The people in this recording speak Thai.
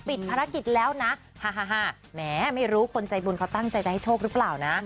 ภารกิจแล้วนะแหมไม่รู้คนใจบุญเขาตั้งใจจะให้โชคหรือเปล่านะ